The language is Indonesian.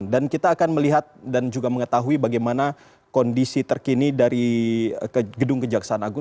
dan kita akan melihat dan juga mengetahui bagaimana kondisi terkini dari gedung kejaksaan agung